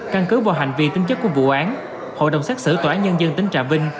căn cứ vào hành vi tính chất của vụ án hội đồng xét xử tòa án nhân dân tỉnh trà vinh